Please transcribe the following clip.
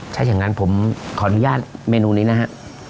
ถ้าอย่างนั้นผมขออนุญาตเมนูนี้นะฮะ